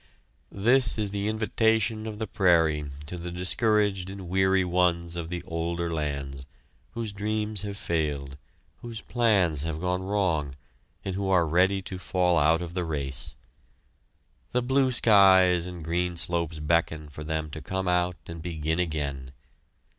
This is the invitation of the prairie to the discouraged and weary ones of the older lands, whose dreams have failed, whose plans have gone wrong, and who are ready to fall out of the race. The blue skies and green slopes beckon to them to come out and begin again.